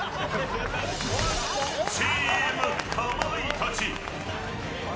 チーム、かまいたち。